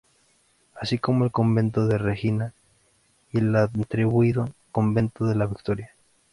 Así como el Convento de Regina y el atribuido Convento de la Victoria.